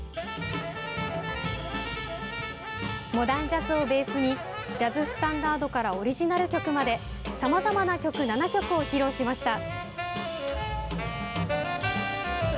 モダンジャズをベースにジャズスタンダードからオリジナル曲まで、さまざまな曲７曲を披露しました。